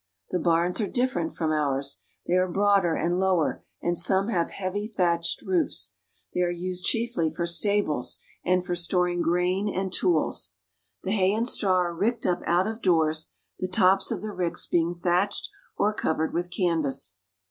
The barns are different from ours. They are broader and lower, and some have heavy thatched roofs. They are used chiefly for stables, and for storing grain and tools. The hay and straw are ricked up out of doors, the tops of the ricks being thatched or covered with canvas.